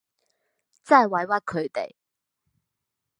真係委屈佢哋